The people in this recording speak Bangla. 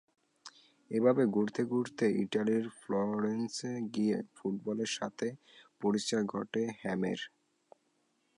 এভাবে ঘুরতে ঘুরতে ইতালির ফ্লোরেন্সে গিয়ে ফুটবলের সঙ্গে পরিচয় ঘটে হ্যামের।